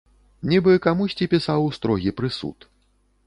Нібы камусьці пісаў строгі прысуд.